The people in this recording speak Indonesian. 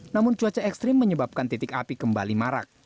namun cuaca ekstrim menyebabkan titik api kembali marak